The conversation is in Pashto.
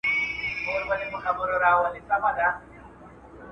د وینې ورکول د یو انسان ژوند ژغوري.